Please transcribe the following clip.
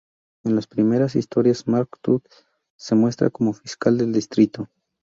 En las primeras historias, Mark Todd se muestra como fiscal del distrito.